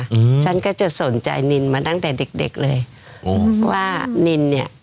อืมฉันก็จะสนใจนินมาตั้งแต่เด็กเด็กเลยอืมว่านินเนี้ย